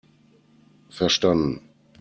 Verstanden!